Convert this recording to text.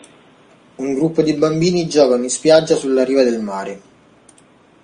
Un gruppo di bambini giocano in spiaggia sulla riva del mare.